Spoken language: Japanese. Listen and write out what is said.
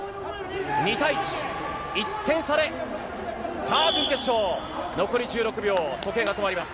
２対１、１点差で、さあ、準決勝、残り１６秒、時計が止まります。